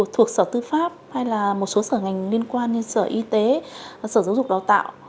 thuộc sở tư pháp hay là một số sở ngành liên quan như sở y tế sở giáo dục đào tạo